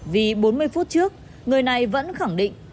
vì bốn mươi phút trước người này vẫn khẳng định